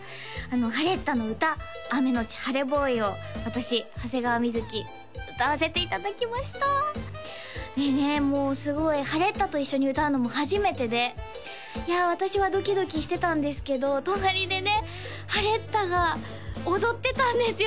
ハレッタの歌「雨のち晴れＢｏｙ」を私長谷川瑞歌わせていただきましたでねもうすごいハレッタと一緒に歌うのも初めてでいや私はドキドキしてたんですけど隣でねハレッタが踊ってたんですよ